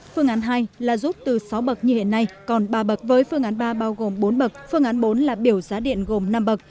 phương án hai là rút từ sáu bậc như hiện nay còn ba bậc với phương án ba bao gồm bốn bậc phương án bốn là biểu giá điện gồm năm bậc